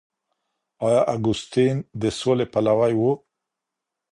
آیا اګوستین د سولي پلوی و؟